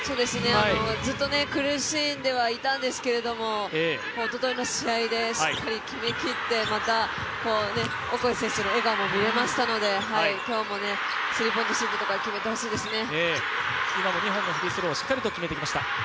ずっと苦しんではいたんですけれども、おとといの試合でしっかり決めきって、またオコエ選手の笑顔も見られましたので今日もスリーポイント決めてほしいですね。